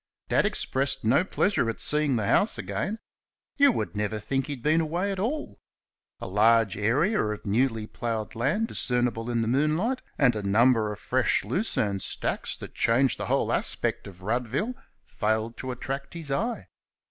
Dad expressed no pleasure at seeing the house again you would never think he had been away at all. A large area of newly ploughed land discernible in the moonlight, and a number of fresh lucerne stacks that changed the whole aspect of Ruddville, failed to attract his eye.